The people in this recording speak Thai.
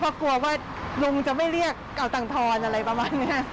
เพราะกลัวว่าลุงจะไม่เรียกเก่าต่างทอนอะไรประมาณนี้